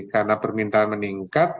karena permintaan meningkat